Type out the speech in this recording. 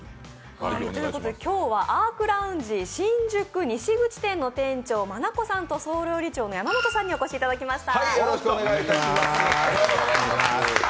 今日はＡｒｋＬｏｕｎｇｅ新宿西口店の店長、眞子さんと総料理長の山本さんにお越しいただきました。